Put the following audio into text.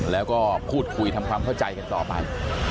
แล้วก็พูดคุยทำความเข้าใจกันต่อไป